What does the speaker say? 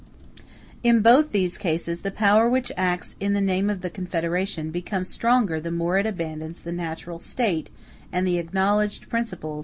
*b In both these cases, the power which acts in the name of the confederation becomes stronger the more it abandons the natural state and the acknowledged principles of confederations.